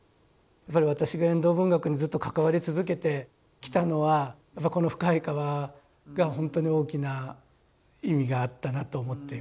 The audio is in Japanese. やっぱり私が遠藤文学にずっと関わり続けてきたのはこの「深い河」がほんとに大きな意味があったなと思っています。